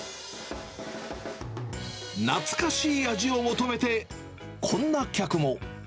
懐かしい味を求めて、こんな客も。